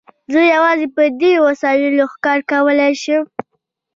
زه یوازې په دې وسایلو ښکار کولای شم.